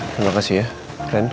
terima kasih ya ren